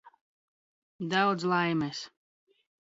Daudz laimes!